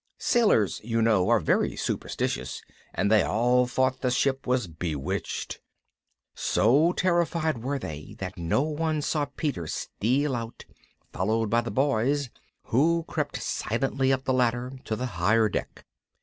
Sailors, you know, are very superstitious, and they all thought the ship was bewitched. So terrified were they that no one saw Peter steal out, followed by the Boys, who crept silently up the ladder to the higher deck.